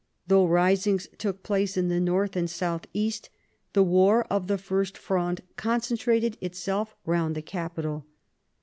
Though risings took place in the north and south east, the war of the First Fronde concentrated itself round the capital.